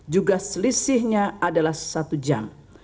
juga selisihnya satu jam